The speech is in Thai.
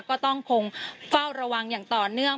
ก็ต้องคงเฝ้าระวังอย่างต่อเนื่อง